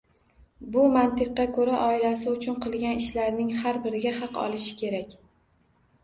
Bu mantiqqa koʻra, oilasi uchun qilgan ishlarining har biriga haq olishi kerak!